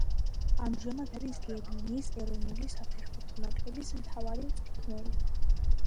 ამჟამად არის გერმანიის ეროვნული საფეხბურთო ნაკრების მთავარი მწვრთნელი.